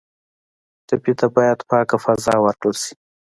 ټپي ته باید پاکه فضا ورکړل شي.